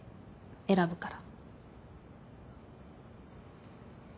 選ぶから。